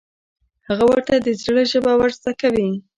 هغه ورته د زړه ژبه ور زده کوي.